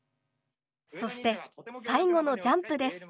そして最後のジャンプです。